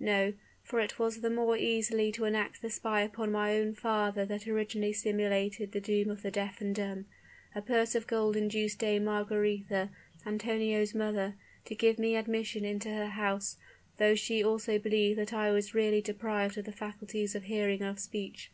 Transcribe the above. No; for it was the more easily to enact the spy upon my own father that originally simulated the doom of the deaf and dumb. A purse of gold induced Dame Margaretha, Antonio's mother, to give me admission into her house; though she also believed that I was really deprived of the faculties of hearing and of speech.